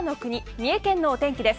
三重県のお天気です。